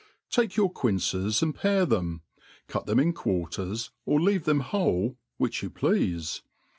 TAKE your quinces and pare tbem | cut them in quarters, or leave them whole, which you pleafe.